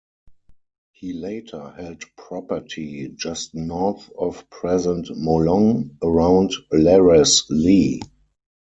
He later held property just north of present Molong, around Larras Lee.